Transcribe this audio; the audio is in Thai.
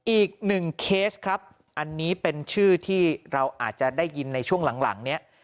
เคสครับอันนี้เป็นชื่อที่เราอาจจะได้ยินในช่วงหลังเนี่ย